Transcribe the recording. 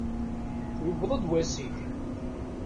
Yewweḍ-d wass-ik!